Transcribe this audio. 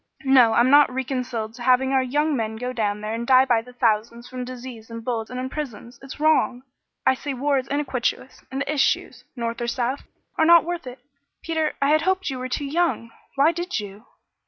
"No, I'm not reconciled to having our young men go down there and die by the thousands from disease and bullets and in prisons. It's wrong! I say war is iniquitous, and the issues, North or South, are not worth it. Peter, I had hoped you were too young. Why did you?"